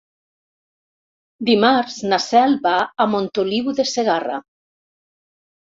Dimarts na Cel va a Montoliu de Segarra.